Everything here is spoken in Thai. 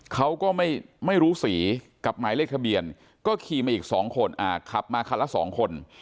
เขาก็ไม่รู้สีกับหมายเลขทะเบียนก็ขี่มาอีก๒คนขับมาคันละ๒คน